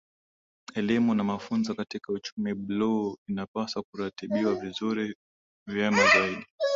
Elimu na mafunzo katika Uchumi Bluu inapaswa kuratibiwa vizuri na vyema zaidi